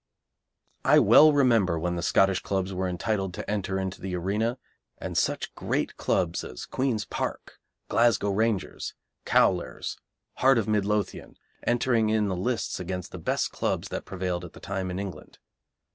I well remember when the Scottish clubs were entitled to enter into the arena, and such great clubs as Queen's Park, Glasgow Rangers, Cowlairs, Heart of Midlothian entering in the lists against the best clubs that prevailed at the time in England.